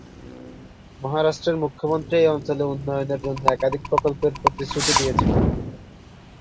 মহারাষ্ট্রের মুখ্যমন্ত্রী এই অঞ্চলের উন্নয়নের জন্য একাধিক প্রকল্পের প্রতিশ্রুতি দিয়েছেন।